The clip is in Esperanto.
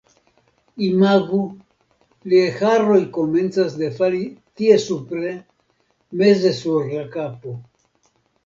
Imagu, liaj haroj komencas defali tie supre, meze sur la kapo.